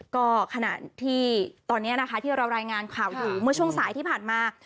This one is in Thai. ก็ขณะที่ตอนนี้นะคะที่เรารายงานข่าวผู้ชมสายที่ผ่านมา